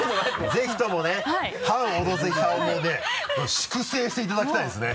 ぜひともね「反オドぜひ派」をね粛正していただきたいですね。